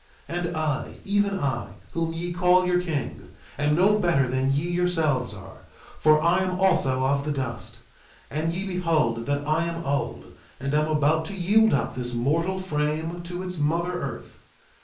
2:26 And I, even I, whom ye call your king, am no better than ye yourselves are; for I am also of the dust. And ye behold that I am old, and am about to yield up this mortal frame to its mother earth.